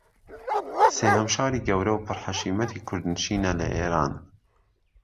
سێھەم شاری گەورە و پر حەشیمەی کوردنشینە لە ئیران